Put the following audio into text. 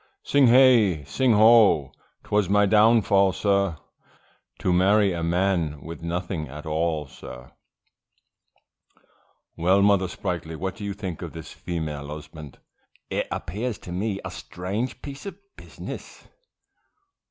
Sing hey! sing O! 'twas my downfall, sir, To marry a man with nothing at all, sir, Well Mother Sprightly, what do you think of this Female Husband; it appears to me a strange piece of business.